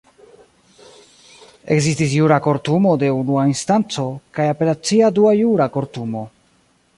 Ekzistis jura kortumo de unua instanco, kaj apelacia dua jura kortumo.